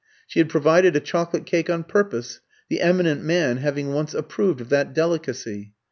She had provided a chocolate cake on purpose, the eminent man having once approved of that delicacy.